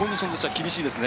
厳しいですね。